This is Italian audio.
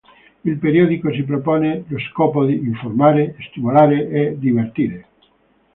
Il periodico si propone lo scopo di "informare, stimolare e divertire".